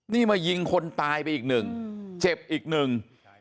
นี่มายิงคนตายไปอีกหนึ่งเจ็บอีกหนึ่ง